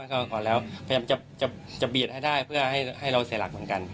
ก่อนแล้วพยายามจะเบียดให้ได้เพื่อให้เราเสียหลักเหมือนกัน